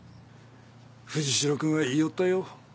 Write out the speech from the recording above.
藤代君は言いよったよ。